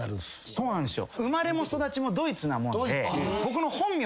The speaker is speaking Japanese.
そうなんですよ。